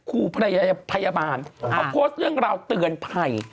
ครูพยาบาลเขาโพสต์เรื่องราวเตือนภัย